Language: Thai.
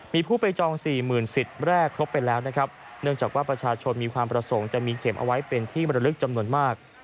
มีผู้ไปจองสี่หมื่นสิทธิ์แรกครบไปแล้วนะครับเนื่องจากว่าประชาชนมีความประสงค์จะมีเข็มเอาไว้เป็นที่บรรลึกจำนวนมาก